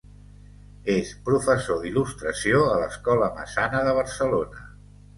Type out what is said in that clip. És professor d'il·lustració a l'Escola Massana de Barcelona.